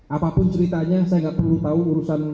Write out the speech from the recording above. apapun ceritanya saya nggak perlu tahu urusan